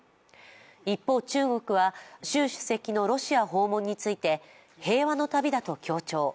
一方、中国は習主席のロシア訪問について平和の旅だと強調。